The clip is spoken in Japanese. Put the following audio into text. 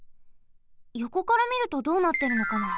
よこからみるとどうなってるのかな。